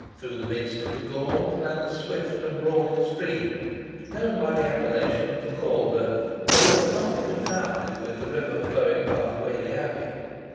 Through the midst of the gorge ran a swift and brawling stream, known by the appellation of the Calder; but it must not be confounded with the river flowing past Whalley Abbey.